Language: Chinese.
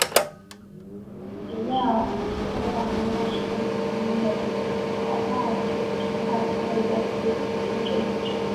比亚托瓦亚是位于美国亚利桑那州皮马县的一个非建制地区。